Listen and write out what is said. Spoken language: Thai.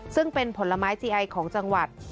ซึ่งเป็นผลไม้จีไอของจังหวัด